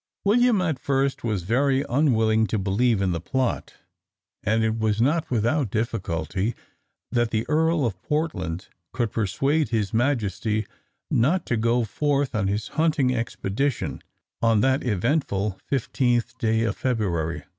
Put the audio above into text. William at first was very unwilling to believe in the plot, and it was not without difficulty that the Earl of Portland could persuade his Majesty not to go forth on his hunting expedition on that eventful 15th day of February.